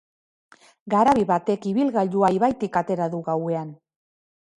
Garabi batek ibilgailua ibaitik atera du gauean.